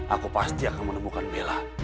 aku pasti akan menemukan bella